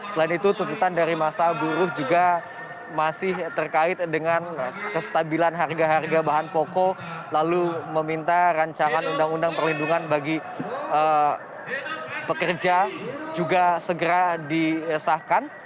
selain itu tuntutan dari masa buruh juga masih terkait dengan kestabilan harga harga bahan pokok lalu meminta rancangan undang undang perlindungan bagi pekerja juga segera diesahkan